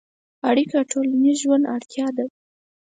اړیکه د ټولنیز ژوند اړتیا ده.